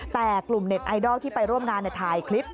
แต่กลุ่มเน็ตไอดอลที่ไปร่วมงานถ่ายคลิป